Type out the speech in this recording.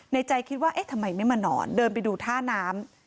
ในใจคิดว่าเอ๊ะทำไมไม่มานอนเดินไปดูท่าน้ำ